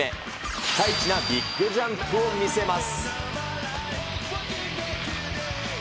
ピカイチなビッグジャンプを見せます。